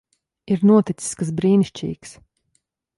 Ir noticis kas brīnišķīgs.